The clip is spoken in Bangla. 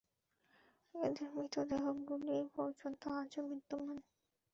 এদের মৃতদেহগুলি পর্যন্ত আজও বিদ্যমান।